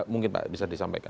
mungkin pak bisa disampaikan